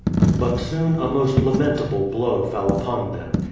But soon a most lamentable blow fell upon them.